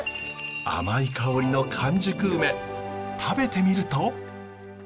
甘い香りの完熟ウメ食べてみると。